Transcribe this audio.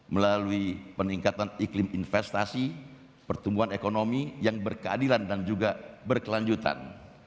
melalui peningkatan iklim investasi pertumbuhan ekonomi yang berkeadilan dan juga berkelanjutan